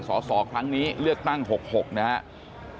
สสครั้งนี้เลือกตั้ง๖๖นะครับ